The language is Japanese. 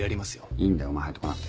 いいんだよお前入ってこなくて。